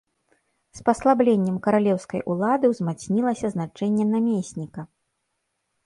З паслабленнем каралеўскай улады, узмацнілася значэнне намесніка.